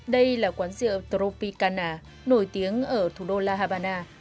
đây là quán rượu toropicana nổi tiếng ở thủ đô la habana